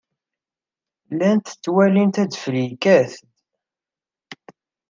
Llant ttwalint adfel yekkat-d.